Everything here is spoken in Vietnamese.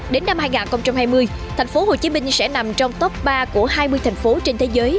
đến năm hai nghìn hai mươi tp hcm sẽ nằm trong top ba của hai mươi thành phố trên thế giới